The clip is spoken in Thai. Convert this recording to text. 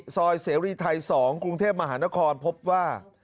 เสรีไทย๒กรุงเทพมหานครพบว่า